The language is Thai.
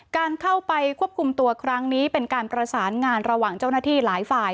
การเข้าไปควบคุมตัวครั้งนี้เป็นการประสานงานระหว่างเจ้าหน้าที่หลายฝ่าย